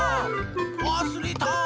わすれた！